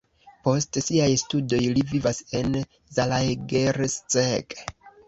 Post siaj studoj li vivas en Zalaegerszeg.